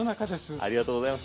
ありがとうございます。